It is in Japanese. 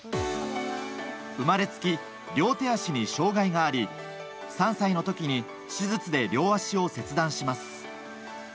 生まれつき両手足に障害があり３歳の時に手術で両足を切断します。